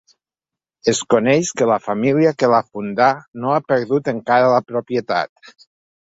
Es coneix que la família que la fundà no ha perdut encara la propietat.